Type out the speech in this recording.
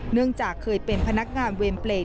เนื่องจากเคยเป็นพนักงานเวรเปรต